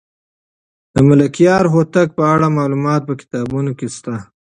د ملکیار هوتک په اړه معلومات په کتابونو کې شته.